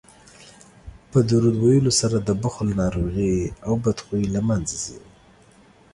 په درود ویلو سره د بخل ناروغي او بدخويي له منځه ځي